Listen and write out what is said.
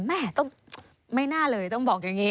แม่ต้องไม่น่าเลยต้องบอกอย่างนี้